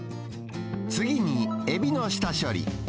次に、エビの下処理。